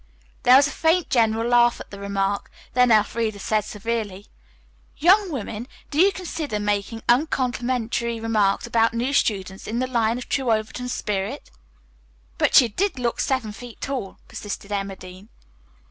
There was a faint general laugh at the remark, then Elfreda said severely, "Young women, do you consider making uncomplimentary remarks about new students in the line of true Overton spirit?" "But she did look seven feet tall," persisted Emma Dean.